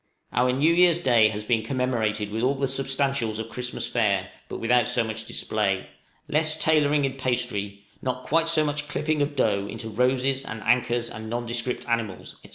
Our new year's day has been commemorated with all the substantials of Christmas fare, but without so much display, less tailoring in pastry, not quite so much clipping of dough into roses, and anchors, and nondescript animals, &c.